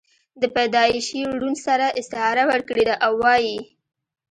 دَپيدائشي ړوند سره استعاره ورکړې ده او وائي: